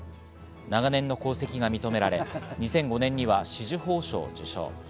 長年の功績が認められ、２００５年には紫綬褒章を受章。